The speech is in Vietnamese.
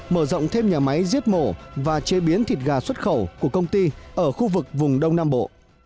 mở rộng thêm nhà máy giết mổ và chế biến thịt gà xuất khẩu của công ty ở khu vực vùng đông nam bộ